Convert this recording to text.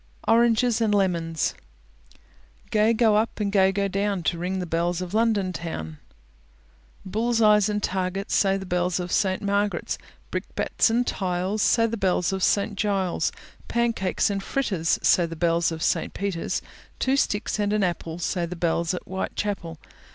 ORANGES AND LEMONS Gay go up, and gay go down To ring the bells of London Town. Bull's eyes and targets Say the bells of St. Marg'ret's. Brickbats and tiles, Say the bells of St. Giles'. Pancakes and fritters, Say the bells of St. Peter's. Two sticks and an apple, Say the bells at Whitechapel.